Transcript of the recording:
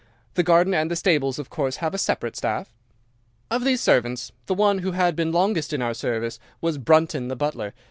The garden and the stables of course have a separate staff. "'Of these servants the one who had been longest in our service was Brunton the butler.